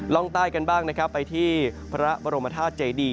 ลองใต้กันบ้างไปที่พระบรมธาตุเจดี